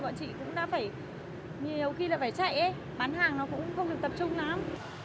nhiều khi là phải chạy bán hàng nó cũng không được tập trung lắm